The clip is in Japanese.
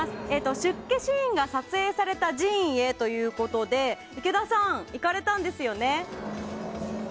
出家シーンが撮影された寺院へということで池田さん、行かれたんですよね？